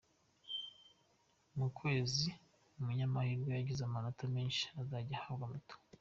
Mu kwezi umunyamahirwe wagize amanota menshi azajya ahabwa moto.